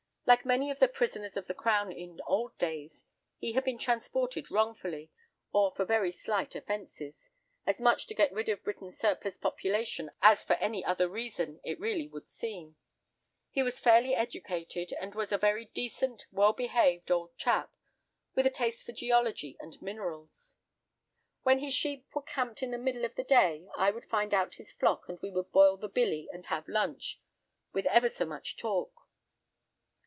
Like many of the prisoners of the Crown in old days, he had been transported wrongfully, or for very slight offences (as much to get rid of Britain's surplus population as for any other reason it really would seem). He was fairly educated, and was a very decent, well behaved old chap, with a taste for geology and minerals. "When his sheep were camped in the middle of the day I would find out his flock, and we would boil the billy and have lunch, with ever so much talk.